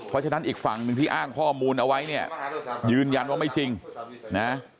เพราะฉะนั้นอีกฝั่งหนึ่งที่อ้างข้อมูลเอาไว้เนี่ยยืนยันว่าไม่จริงนะ